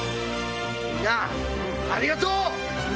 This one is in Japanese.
みんなありがとう！